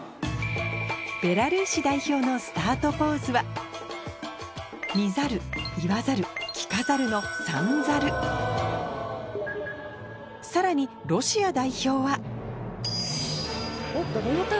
ベラルーシ代表のスタートポーズはさらにロシア代表は